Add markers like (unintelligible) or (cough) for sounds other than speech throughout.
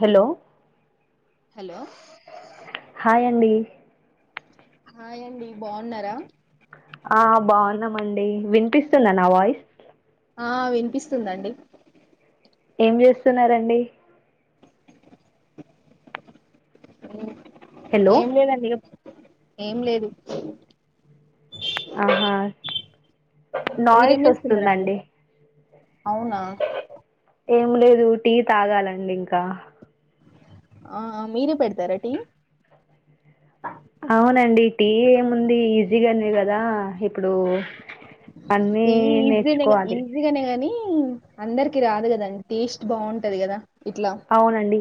Hello hello hi అండి అయండి బాగున్నారా ఆ బాగున్నామండి వినిపిస్తుందా నా వాయిస్ ఆ వినిపిస్తుందండి ఏం చేస్తున్నారండి హలో ఏం లేదండి ఇగ ఏం లేదు ఆహా మీరేం నాయిస్ చేస్తున్నారండి వస్తుందండి అవునా ఏం లేదు టీ తాగాలండి ఇంకా ఆ మీరే పెడతార టీ ఆ అవునండి టీ ఏముంది ఈజీగా గానే కదా ఇప్పుడు అన్నీ ఈ ఈజి నే నేర్చుకోవాలి ఈజి గానే గాని అందరికి రాదు కదా టేస్ట్ బాగుంటది కదా ఇట్లా అవునండి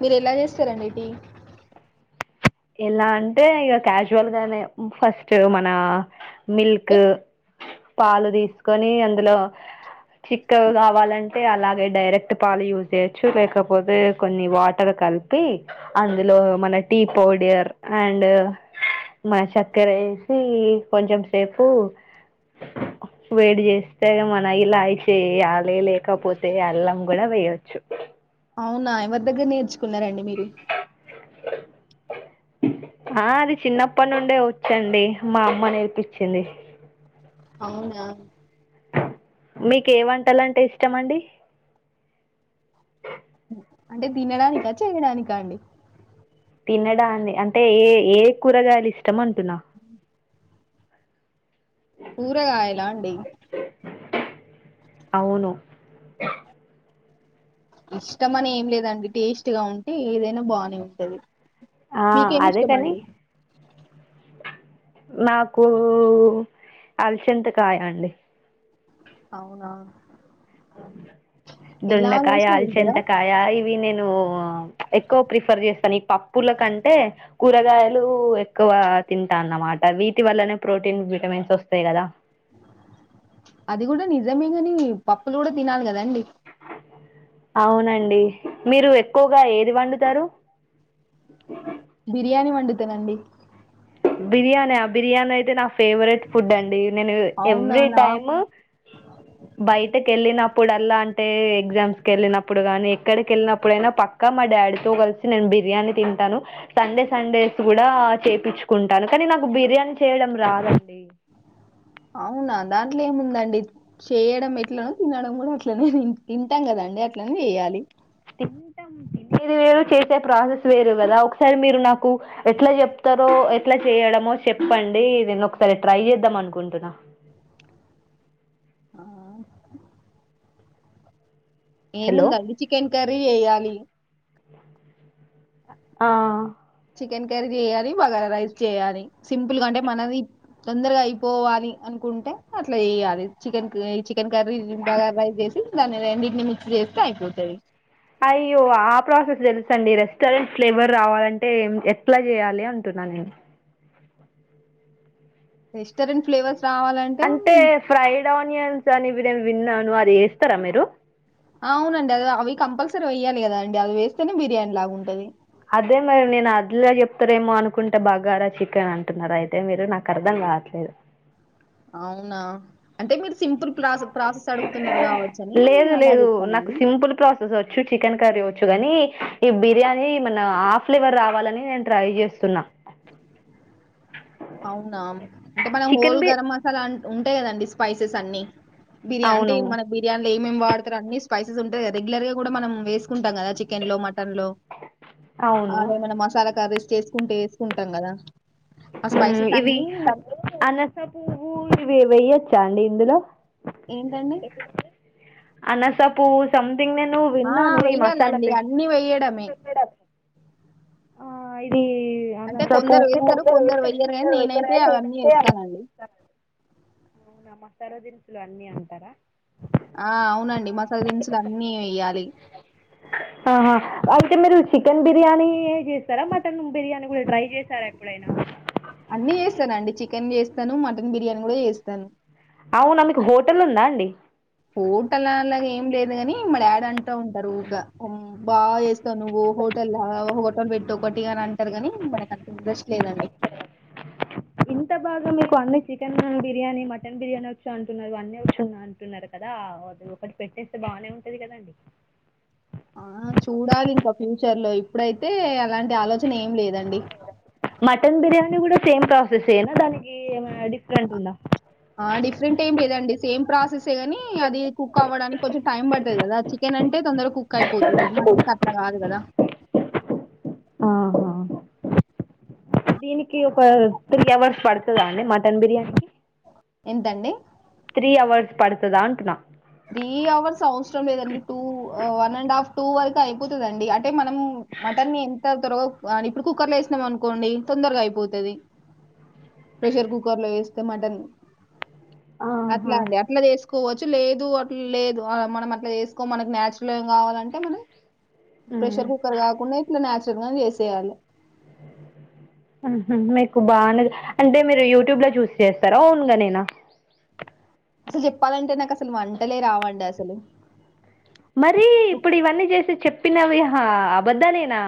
మీరు ఎలా చేస్తారండి టీ ఎలా అంటే ఇగ క్యాజువల్ గానే ఫస్ట్ మన మిల్క్ ఏ పాలు తీసుకొని అందులో చిక్కగ కావాలంటే అలాగే డైరెక్ట్ పాలు యూజ్ చేయొచ్చు లేకపోతే కొన్ని వాటర్ కలిపి అందులో మన టీ పౌడీర్ అండ్ మా చక్కర వేసి కొంచెం సేపు వేడి చేస్తే ఇగ మన ఇలా అయి చేయి (unintelligible) లేకపోతే అల్లం కూడా వేయొచ్చు అవునా ఎవరి దగ్గర నేర్చుకున్నారండి మీరు స ఆ అది చిన్నప్పటి నుండే వచ్చండి మా అమ్మ నేర్పిచ్చింది అవునా మీకు ఏ వంటాలంటే ఇష్టం అండి అంటే తినడానికా చేయడానికా అండి తినదాన్ని అంటే ఏ ఏ కూరగాయలు ఇష్టం అంటున్న కూరగాయల అండి అవును ఇష్టం అని ఏం లేదండి టేస్ట్ గా ఉంటే ఏదైనా బానే ఉంటది ఆ మీకేమి అదేకాని ఇష్టమండి నాకు అలచంతకాయ అండి అవునా ఎలా దొండకాయ చేసినా తింటారా అల్చందకాయ ఇవి నేను క్కువ ప్రిఫర్ చేస్తాను ఈ పప్పుల కంటే కూరగాయలు ఎక్కువ తింటాన్నమాట వీటి వల్లనే ప్రోటీన్ విటమిన్స్ వస్తాయి కదా అది కూడా నిజమే కాని పప్పులు కూడా తినాలి కదండి అవునండి మీరు ఎక్కువగా ఏది వండుతారు బిర్యానీ వండితనండి బిర్యానా బిర్యానీ అయితే నా ఫేవరెట్ ఫుడ్ అండి నేను ఏ అవునా ఎవ్రీ నాకు టైము బయటకి వెళ్ళిన ఇప్పుడు అల్లా అంటే ఎగ్జామ్స్ కెళ్ళినప్పుడు గానీ ఎక్కడికి వెళ్ళినప్పుడైనా పక్క మా డాడితో కలిసి నేను బి బిర్యానీ తింటాను సండే సండేస్ కూడా చేపిచ్చు కుంటాను కానీ నాకు బిర్యానీ చేయడం రాదండి అవునా దాంట్లో ఏముందండి చేయడం ఎట్లనో తినడం కూడా అట్లనే తింటాం కదండి అండి అట్లనే చేయాలి తింటాం తినేది వేరు చేసే ప్రాసెస్ వేరు కదా ఒకసారి మీరు నాకు ఎట్లా చెప్త త్తరో ఎట్లా చేయడమో చెప్పండి నేను ఒకసారి ట్రై చేద్దాం అనుకుంటున్నా ఆ హలో ఏముందండి చికెన్ కర్రీ ఎయ్యలి ఆ చికెన్ కరీ చేయాలి బగార రైస్ చేయాలి సింపుల్ గా అంటే మనది తొందరగా అయిపోవాలి అ కుంటే అట్లా చేయాలి చికెన్ చికెన్ కర్రీ బగ ర్రైస్ చేసి దాన్ని రెండింటిని మిక్స్ చేస్తే ఐపోతాది అయ్యో ఆ ప్రాసెస్ తెలుసఅండి రెస్టారెంట్స్ ఫ్లేవర్ రావాలంటే ఏమ్ ఎట్లా చేయాలి అంటున్న నంని రెస్టరెంట్ ఫ్లేవర్స్ రావాలంటే బ్రౌన్ ఆనియన్స్ అని నే విన్నాను అది వేస్తారా మీరు అవునండి అది అవి కంపల్సరీ వెయ్యాలి కదా అండి అది వేస్తేనే బిర్యానీ లాగా ఉంటది అదే మరి నేను అదిలే చెప్తారేమో అనుకుంటే బగారా చికెన్ అంటున్నారు అయితే మీరు నాకు అర్థం కాట్లేదు అవునా అంటే మీరు సింపుల్ ప్రస ప్రాసెస్ అడుగుతున్నారు కావచ్చు అని లేదు అలా లేదు నాకు చెప్పానండి సింపుల్ ప్రాసెస్ చికెన్ కర్రీ వచ్చు కాని ఈ బిర్యానీ మన్న ఆ ఫ్లేవర్ రావాలని నేను ట్రై చేస్తున్నా అవునా అంటే మన చికెన్ హోల్ బి గరం మసాలా అంట ఉంటాయి కదండి స్పైసెస్ అన్ని బిర్యా అంటే అవును మనకి బిర్యానీ ఏమ్ ఏమ్ వాడుతరో అన్ని స్పైసెస్ ఉంటాయ్ కదా రెగ్లర్ గా కూడా మన వేకుంటాం కదా చికెన్ లో మటన్ లో టన్లో అవును ఆరేమైనా మసాలా కర్రేస్ చేేసుకుంటే వేసుకుంటాం కదా ఇవి అనస పువ్వు ఇవి వేయొచ్చా అండి ఇందులో ఏంటండి అనసపువ్వు సం దింగ్ నేను ఆ! విన్నాను ఈ మసాలా వెయ్యాలండి. పే అన్నీ వెయ్యడమే. (unintelligible) ఆ ఇది అంటే అనాస కొందరు పువ్వు వేస్తారు, కొందరు వెయ్యరు గానీ నేనైతే అవన్నీ ఏస్తానండి. అవును ఆ మసాలా దినుసులు అన్ని అంటారా ఆ అవునండి మసాల దినుసులు అన్నీ వేయాలి ఆహా అయితే మీరు చికెన్ బిర్యానీ చేస్తారా మటన్ బిర్యానీ కూడా ట్రై చేసారా ఎప్పుడైనా అన్నీ చేస్తానుండి చికెన్ చేస్తాను మటన్ బిర్యానీ కూడా చేస్తాను అవునా మీకు హోటల్ ఉందా అండి హోటల్ అలాగా ఏం లేదు కానీ మా డాడీ వన్ అంట ఉంటారు ఊక ఊ బాగా చేస్తావు నువ్వు హోటల్ లాగా హోటల్ పెట్టు ఒకటి అని అన్ అంటారు కాని మనకు అంత ఇంట్రెస్ట్ లేదండి ఇంత బాగా మీకు అన్నీ చికెన్ బిర్యానీ మటన్ బిర్యానీ వచ్చు అంటున్నారు అన్నీ వచ్చు అంటున్నారు కదా ఆ అది ఒకటి పెట్టేస్తే బానే ఉంటది కదండి ఆ చూడాలి ఇంకా ఫ్యూచర్ లో ఇప్పుడైతే అలాంటి ఆలోచన ఏం లేదండి మటన్ బిర్యానీ కూడా సేమ్ ప్రాసెస్సేనా దానికి ఏమన్నా డిఫరెంట్ ఉందా అదేనండి సేమ్ ప్రాసెస్ సే కాని అది కుక్ అవ్వడానికి కొంచెం టైం పడతది కదా చికెన్ అంటే అంటే తొందర కుక్ అయిపోతుంది మటన్ కట్లా కాదు కదా ఆహా దీనికి ఒక త్రీ అవర్స్ పడతదా అండి మటన్ బిర్యానీకి ఎంటండీ త్రీ హవర్స్ పడతదా అంటన్నా త్రీ అవర్స్ అవసరం లేదండి two one and half two వరకు అయిపోతదండి అ అంటే మనం మటన్ ఎంత త్రో కాని ఇప్పుడు కుక్కర్ లో వేసినాం అనుకోండి తొందరగా అయిపోతుంది ప్రెషర్ కుక్కర్ లో వే మటన్ అట్లా ఆహా అండి అట్లా చేసుకోవచ్చు లేదు లేదు అట్లా లేదు మనం అట్లా చేసుకొం మనకి నచురల్ గా కావాలంటే మనం ప్రెషర్ కుక్కర్ కాకుండా ఇట్లా నాచురల్ గా చేసేయాలి హుహు మీకు బాగానే అంటే మీరు యూట్యూబ్ లో చూసి చేస్తారా ఓన్ గానేనా అసలు చెప్పాలంటే నాకు అసలు వంటలే రావండి అసలు మరి ఇప్పుడు ఇవన్నీ చేసి చెప్పినవిహా అబద్ద నేనా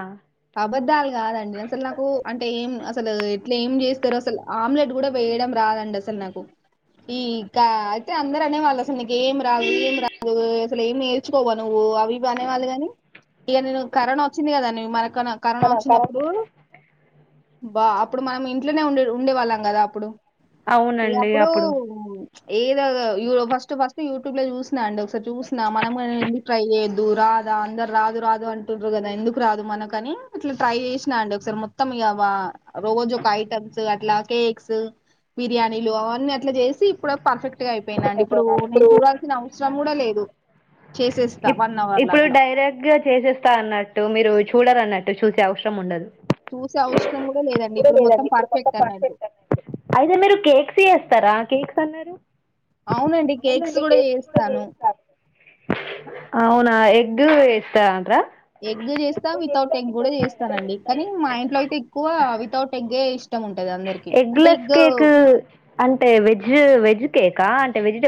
అబధాలు కాదండి అసలు నాకు అంటే ఏం అసలు ఇట్లా ఏం చేస్తారుో అసలు ఆమ్లెట్ కూడా వేయడం రాదండి అసలు నాకు ఇంకా అయితే అందరు అనే వాళ్ళు అసలు ఏం రాదు ఏం రాదు అసలు ఏం నేర్చుకోవా నువ్వు అవి బనేవాళ్ళు గాని ఇక నే కరోనా వచ్చింది కదా నువవు మనక కరోనా వచ్చినప్పుడు బా అప్పుడు మనం ఇంట్లోనే ఉండే ఉండే వాళ్ళం కదా అప్పుడు ఇ అప్పుడు ఏదో ఫస్ట్ ఫస్ట్ యూట్యూబ్ లో చూసినా అండి ఒకసారి చూసిన మనం ఎందుకు ట్రై చేయొద్దు రాదా అందరు రాదు రాదు అంటు్ర కదా ఎందుకు రాదు మనకు కానీ ఇట్లా ట్రై చేసినా అండి ఒకసారి మొత్తం ఇ రోజు ఒక ఐటమ్స్ అట్లా కేక్స్ బిర్యానీలు అవన్నీ అట్లా చేసి పర్ఫెక్ట్ గా అయిపోయింద అండి ఇప్పుడు నేను చూడాల్సిన అవసరం కూడా లేదు చేసే ఇప్ ఇప్పుడు డైరెక్ట్ గా చేసేస్తా అన్నట్టు మీరు చూడరు అన్నట్టు చూసే అవసరం ఉండదు చూసే అవసరం కూడా లేదండి ఇప్పుడు మొత్తం పర్ఫెక్ట్ అన్నట్టు అయితే మీరు కేక్స్ చేస్తారా కేక్స్ అన్నారు అవునండి కేక్స్ కూడా చేస్తాను అవునా ఎగ్ ఇస్త అంత్ర ఎగ్ చేస్తా వితౌట్ ఎగ్ కూడా చేస్తానండి కానీ మా ఇంట్లో అయితే ఎక్కువ వితౌట్ ఎగ్ే ఇష్ట ఎగ్లస్ కేక్ అంటే వెజ్ వెజ్ కేకా అంటే వెజ్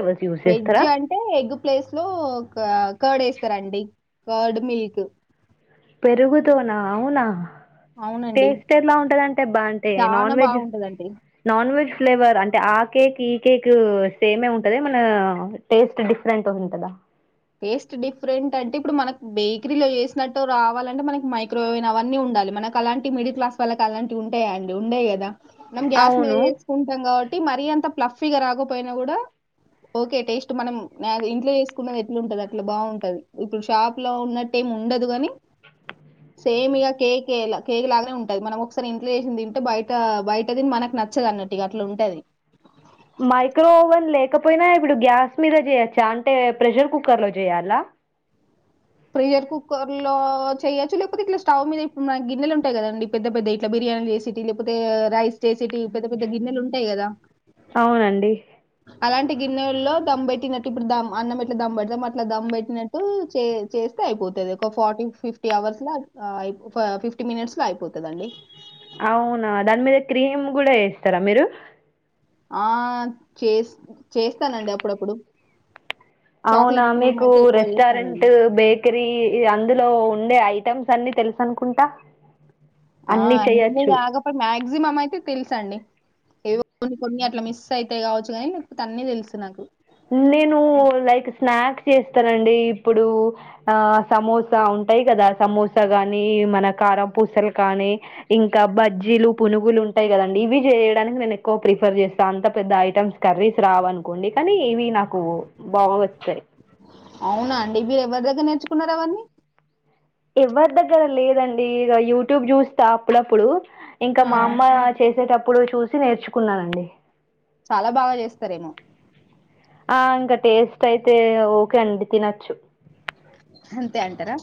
వెజ్ అంటే ఎగ్ ప్లేస్ అ లో ఒక కర్డ్ వేస్తారంండి కర్డ్ మిల్క్ పెరుగుదనా అవునా అవునండి. టేస్ట్ ఎలా ఉంటదింటే బా అంటే చాలా నాన్ వెజ్ బావుంటదండి. నాన్ వెజ్ ఫ్లేవర్ అంటే ఆ కేక్ ఈ కేక్ సేమే ఉంటది మన టేస్ట్ డిఫరెంట్ ఉ ఉంటదా టేస్ట్ డిఫరెంట్ అంటే ఇప్పుడు మనకు బేకరీలో చేసినట్టు రావాలంటే మనకి మైక్రోవేవన్ అవన్నీ ఉంట మన అలాంటి మిడిల్ క్లాస్ వాళ్ళకి అలాంటి ఉంటాయా అండి ఉండేయి కదా మనం గ్యాస్ మీద అవును వేసుకుంటాం కాబట్టి మరి అంత ప్లఫిగా రాకపోయినా కూడా ఓకే టేస్ట్ మనం ఇంట్లో వసుకు ఇట్లు ఉంటది అట్లా బాగుంటది ఇప్పుడు షాప్ లో ఉన్నట్టటు ఏం ఉండదు కాగాని సేమ్ ఇ కేక్ కేక్ లాగానే ఉంటంది మనం ఒకసారి ఇంట్లో చేసింది తింటే బయట బయటదిని మన నచ్చదు అన్నట్టు అట్లా ఉంటేది (unintelligible) మైక్రోఓవెన్ లేకపోయినా ఇప్పుడు గ్యాస్ మీద చేయొచ్చా అంటే ప్రెషర్ కుక్కర్ లో చేయాలా ప్రెషర్ కుక్కర్ లో చెయ్యొచ్చు లేపోతే ఇట్లా స్టవ్ మీద ఇప్పుడు నా గిన్నెలు ఉంటాయి కదండి పెద్ద పెద్ద ఇట్లా బిర్యానీ చేసేటి లేకపోతే రైస్ చేసేటి పెద్ద పెద్ద గిన్నెలు ఉంటాయి కదా అవునండి అలాంటి గిన్నెల్లో దమ్ పెట్టినట్టు ఇప్పుడు దమ్ అన్నం ఇట్లా దమ్ పెడతాం అట్లా దమ్బట్టినట్టు చే చేస్తా అయిపోతుది ఒక ఫార్టీ ఫిఫ్టీ అవర్స్ లో ఫిఫ్టీ మినిట్స్ లో అయిపోతుదండి అవునా దాని మీద క్రీమ్ కూడా వేస్తారా మీరు ఆ చేస్ చేస్తానండి అప్పుడప్పుడు అవునా చాక్లేట్ క్రీమ్ మీకు అయితే ఎక్కువ రెస్టారెంట్ చేస్తానండి. బేకరీ అందులో ఉండే ఐటమ్స్ సన్నీ తెలుసు అనుకుంటా ఆ అన్ని అన్నీ చెయొచ్చు కాగాపో మా్యాక్సిమం అయితే తెలుస అండి ఏో కొన్ని కొన్ని అట్లా మిస్ అయితే కావచ్చు కానీ తన్న తెలుసు నాకు నేను లైక్ స్నాక్స్ చేస్తనండి ఇప్పుడు ఆ సమోసా ఉంటాయి కదా సమోసా గాని మన కారం పూసలు కానీ ఇంకా బజ్జీలు పునుగులు ఉంటాయి కదండి ఇవి చేయడానికి నేను ఎక్కువ ప్రిఫర్ చేస్తా అంత పెద్ద ఐటెమ్స్ కర్రీస్ రావ అనుకోండి కానీ ఏవి నాకు బాగా వస్తాయి అవునా అండి మీరు ఎవరి దగ్గర నేర్చుకున్నారు అవన్నీ ఇవరి దగ్గర లేదండి ఇగ యూట్యూబ్ చూస్త అప్పుడప్పుడు ఇంకా ఆ! మా అమ్మ చేసేటప్పుడు ప్పుడు చూసి నేర్చుకున్నానండి చాలా బాగా చేస్తారేమో ఆ ఇంకా టేస్ట్ అయితే ఓకే అండి తినొచ్చు అంతే అంటారా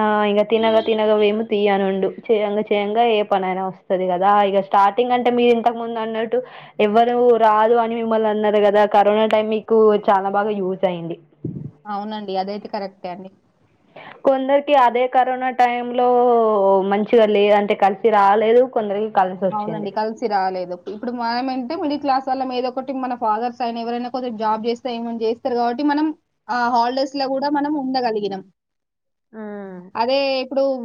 ఆ ఇంగ తినగ తినగ వేము తియనుండు చేయంగా చేయంగా ఏ పనైనా వస్తది గదా ఇక స్టార్టింగ్ అంటే మీరు ఇంతకు ముందు అన్నట్టు ఎవరు రాదు అని మిమ్మల్ని అన్నారు కదా కరోనా టైం మీకు చాలా బాగా యూజ్ అయ్యంది అవునండి అదైతే కరెక్టే అండి కొందరికి అదే కరోనా టైమ్ లో మంచిగా లే అంటే కలిసి రాలేదు కొందరికి కలిసి వచ్చింది అవునండి కలిసి రాలేదు ఇప్పుడు మనం ఏంటి మిడిల్ క్లాస్ వాళ్ళం ఏదోకటి మన ఫాదర్స్ అయిన ఎవరైనా కొంచం జాబ్ చేస్తా ఏమన చేస్తారు కాబట్టి మనం హాలిడేస్ లో కూడా మనం ఉండగలిగినం ఉమ్ అదే ఇప్పుడు